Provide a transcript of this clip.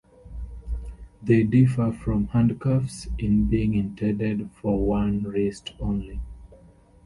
They differ from handcuffs in being intended for one wrist only.